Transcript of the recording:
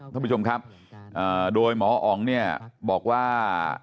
ท่านผู้ชมครับโดยหมออ๋องเนี่ยบอกว่า